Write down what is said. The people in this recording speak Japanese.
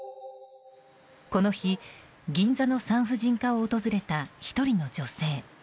この日、銀座の産婦人科を訪れた１人の女性。